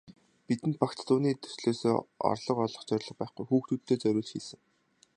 Бидэнд багц дууны төслөөсөө орлого олох зорилго байхгүй, хүүхдүүддээ зориулж хийсэн.